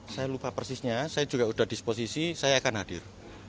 saya lupa persisnya saya juga sudah disposisi saya akan hadir